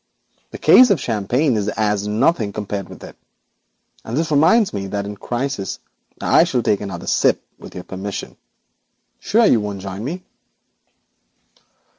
The case of champagne is as nothing compared with it, and this reminds me that in the crisis now upon us I shall take another sip, with your permission. Sure you won't join me?'